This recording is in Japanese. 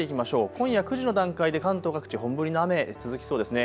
今夜９時の段階で関東各地、本降りの雨、続きそうですね。